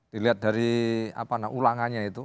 dilihat dari ulangannya itu